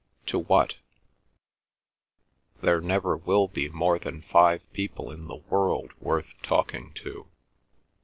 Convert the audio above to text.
"To what?" "There never will be more than five people in the world worth talking to."